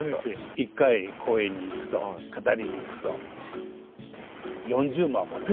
一回講演に行くと語りに行くと４０万もらえる。